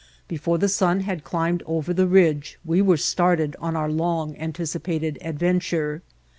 Before the sun had climbed over the ridge we were started on our long anticipated adventure.